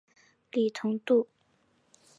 李同度。